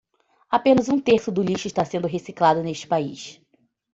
Apenas um terço do lixo está sendo reciclado neste país.